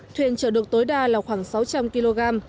thuyền chở được tối đa là khoảng sáu trăm linh kg